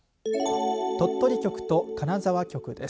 鳥取局と金沢局です。